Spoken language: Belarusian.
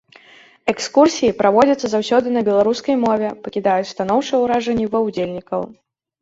Экскурсіі праводзяцца заўсёды на беларускай мове, пакідаюць станоўчыя ўражанні ва ўдзельнікаў.